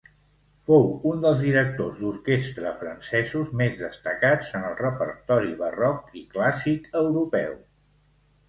Fou un dels directors d'orquestra francesos més destacats en el repertori barroc i clàssic europeu.